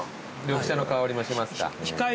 緑茶の香りもしますか。